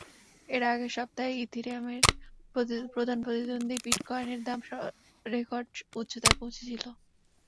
এর আগের সপ্তাহেই ইথারিয়ামের প্রধান প্রতিদ্বন্দ্বী বিটকয়েনের দাম রেকর্ড উচ্চতায় পৌঁছেছিল।